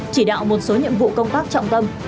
chỉ đạo một số nhiệm vụ công tác trọng tâm